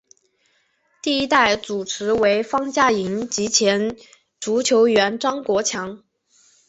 第一代主持为方嘉莹及前足球员张国强。